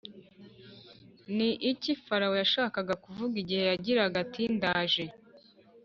Ni iki Farawo yashakaga kuvuga igihe yagiraga ati ndaje